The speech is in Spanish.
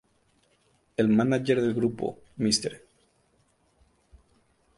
El mánager del grupo, Mr.